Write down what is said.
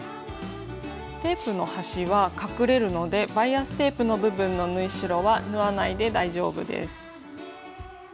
テープの端は隠れるのでバイアステープの部分の縫い代は縫わないで大丈夫です。